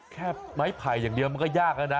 แค่ไม้ไผ่อย่างเดียวมันก็ยากแล้วนะ